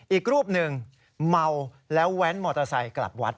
อีกรูปหนึ่งเมาแล้วแว้นมอเตอร์ไซค์กลับวัด